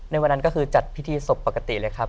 ในวันนั้นก็คือจัดพิธีศพปกติเลยครับ